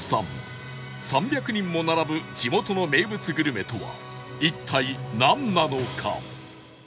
３００人も並ぶ地元の名物グルメとは一体なんなのか？